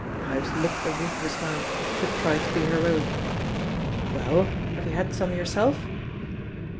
Ives licked the roof of his mouth, but tried to be heroic. "Well, have you had some yourself?"